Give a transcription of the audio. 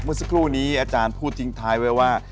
เมื่อสักครู่นี้อาจารย์พูดทิ้งท้ายไว้ว่า